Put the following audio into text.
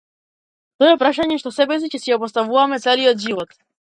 Тоа е прашање што себеси ќе си го поставуваме целиот живот.